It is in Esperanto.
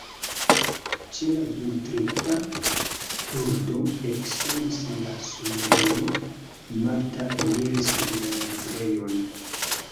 Ĉe la vitrita pordo eksonis la sonorilo, Marta eniris en la librejon.